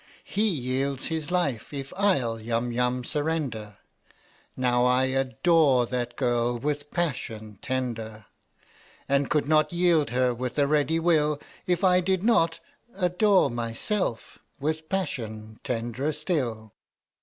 He yields his life if I'll Yum Yum surrender ; Now I adore that girl with passion tender, And could not yield her with a ready will If I did not Adore myself with passion tenderer still